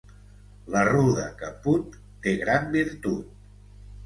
La ruda que put té gran virtut.